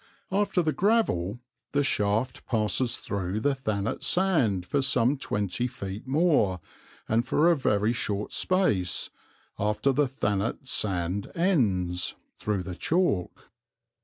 After the gravel the shaft passes through the Thanet sand for some twenty feet more and for a very short space, after the Thanet sand ends, through the chalk.